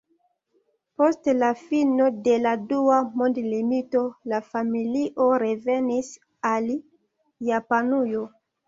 Post la fino de la Dua Mondmilito la familio revenis al Japanujo.